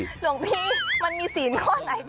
หลวงพี่มันมีศีลข้อไหน